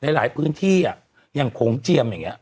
หลายพื้นที่ยังโครงเจียมแบบนี้